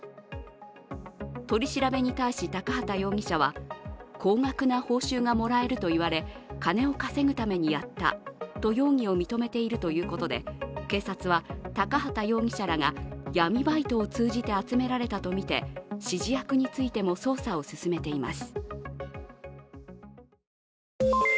取り調べに対し高畑容疑者は高額な報酬がもらえるといわれ金を稼ぐためにやったと容疑を認めているということで警察は高畑容疑者らが闇バイトを通じて集められたとみて指示役についても捜査を進めています。